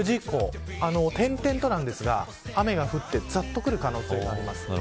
点々となんですが雨が降ってざっとくる可能性があります。